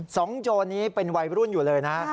โจรนี้เป็นวัยรุ่นอยู่เลยนะ